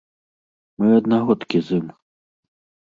Мы аднагодкі з ім.